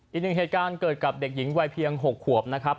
อีกหนึ่งเหตุการณ์เกิดกับเด็กหญิงวัยเพียง๖ขวบนะครับ